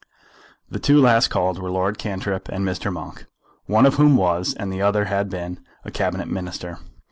The two last called were Lord Cantrip and Mr. Monk, one of whom was, and the other had been, a Cabinet Minister.